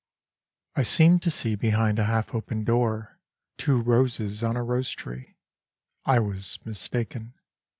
I SEEMED to see behind a half^opencd door Two roses on a rose'tree. I was mistaken.